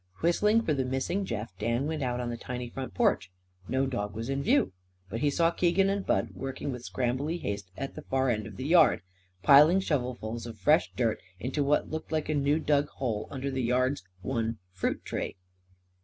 Whistling for the missing Jeff, Dan went out on the tiny front porch. No dog was in view. But he saw Keegan and Bud working with scrambly haste at a far end of the yard, piling shovelfuls of fresh dirt into what looked like a new dug hole under the yard's one fruit tree.